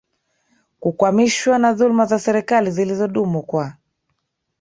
kukwamishwa na dhuluma za serikali zilizodumu kwa